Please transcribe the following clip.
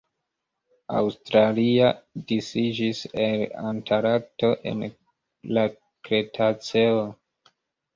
Australia disiĝis el Antarkto en la Kretaceo.